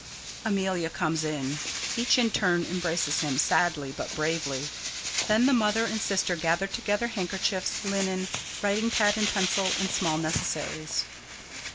[_Amelia comes in. Each in turn embraces him, sadly, but bravely. Then the mother and sister gather together handkerchiefs, linen, writing pad and pencil, and small necessaries.